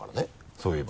そういえば。